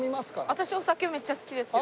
私お酒めっちゃ好きですよ。